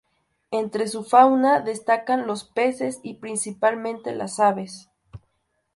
Entre su fauna destacan los peces, y principalmente las aves.